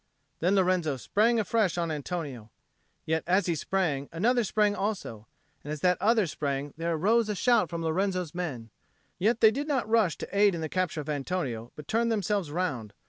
Then Lorenzo sprang afresh on Antonio. Yet as he sprang, another sprang also; and as that other sprang there rose a shout from Lorenzo's men; yet they did not rush to aid in the capture of Antonio, but turned themselves round.